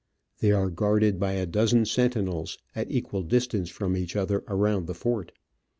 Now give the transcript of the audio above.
They are guarded by a dozen sentinels, at equal distance from each other around the fort.